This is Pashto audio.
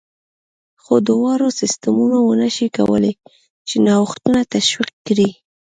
خو دواړو سیستمونو ونه شوای کولای چې نوښتونه تشویق کړي